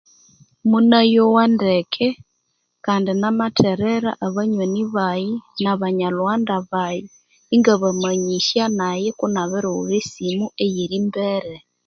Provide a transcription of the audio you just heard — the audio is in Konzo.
Munayowa ndeke kandi namatherera abanyoni baghe naba Nyalhughanda baghe inga bamanyisya nayi kunabirighulha esimu eyerimbere.